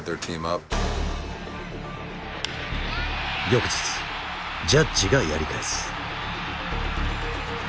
翌日ジャッジがやり返す。